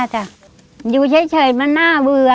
อยู่เฉยมันหน้าเบื่อ